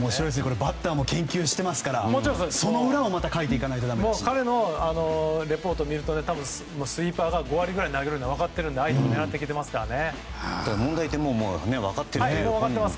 バッターも研究してるからその裏をかいていかないと彼のレポートを見るとスイーパーを５割ぐらい投げるのも分かってますから相手も狙ってますね。